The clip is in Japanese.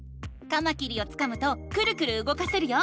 カマキリをつかむとクルクルうごかせるよ。